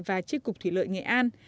và chiếc cục thủy lợi nghệ an